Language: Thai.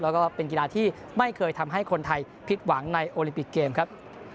แล้วก็เป็นกีฬาที่ไม่เคยทำให้คนไทยผิดหวังในโอลิมปิกเกมครับ